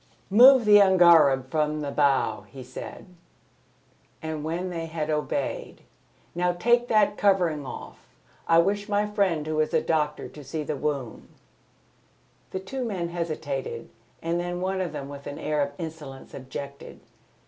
"Move the angareb from the bows," he said; and when they had obeyed, "Now take that covering off. I wish my friend who is a doctor to see the wound." The two men hesitated, and then one of them with an air of insolence objected.